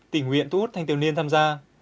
tình nguyện thu hút thanh thiếu niên tham gia